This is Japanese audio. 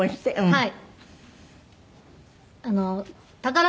はい。